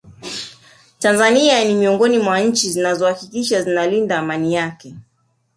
Tanzania ni miongoni mwa Nchi zinazo hakikisha zinalinda Amani yake